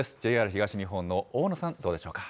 ＪＲ東日本の大野さん、どうでしょうか。